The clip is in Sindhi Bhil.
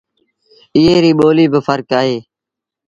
ايئي ريٚ ٻوليٚ با ڦرڪ اهي